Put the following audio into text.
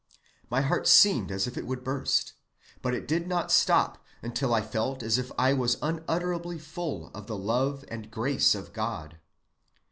My heart seemed as if it would burst, but it did not stop until I felt as if I was unutterably full of the love and grace of God.